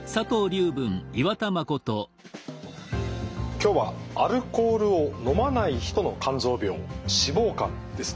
今日はアルコールを飲まない人の肝臓病脂肪肝ですね。